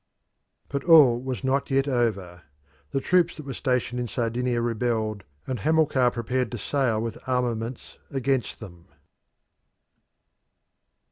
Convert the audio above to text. But all was not yet over. The troops that were stationed in Sardinia rebelled, and Hamilcar prepared to sail with an armament against them.